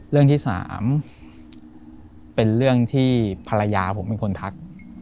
เรื่องที่๓เป็นเรื่องที่ภรรยาผมเป็นคนทัก